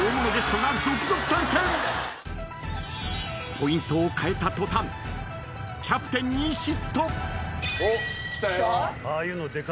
［ポイントを変えた途端キャプテンにヒット］